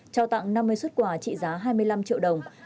trao tặng năm mươi xuất quà trị giá hai mươi năm triệu đồng